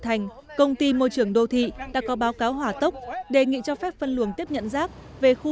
thành công ty môi trường đô thị đã có báo cáo hỏa tốc đề nghị cho phép phân luồng tiếp nhận rác về khu